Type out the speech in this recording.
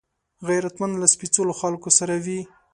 غیرتمند له سپېڅلو خلکو سره وي